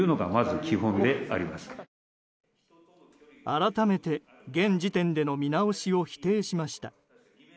改めて現時点での見直しを否定しました。